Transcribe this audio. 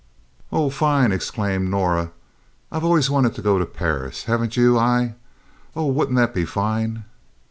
"Oh, fine!" exclaimed Norah. "I've always wanted to go to Paris. Haven't you, Ai? Oh, wouldn't that be fine?"